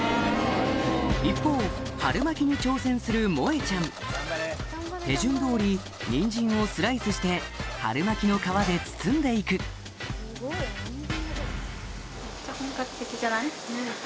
一方春巻きに挑戦する萌ちゃん手順通りニンジンをスライスして春巻きの皮で包んで行くねぇ。